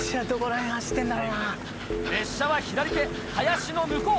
列車は左手林の向こう。